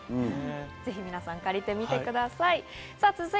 ぜひ皆さん、借りてみてください。